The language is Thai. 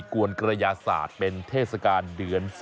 กวนกระยาศาสตร์เป็นเทศกาลเดือน๒